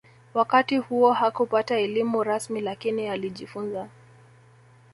Wakati huo hakupata elimu rasmi lakini alijifunza